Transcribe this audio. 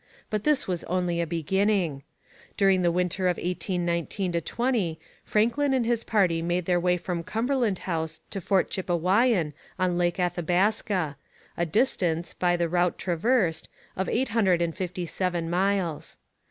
But this was only a beginning. During the winter of 1819 20 Franklin and his party made their way from Cumberland House to Fort Chipewyan on Lake Athabaska, a distance, by the route traversed, of eight hundred and fifty seven miles.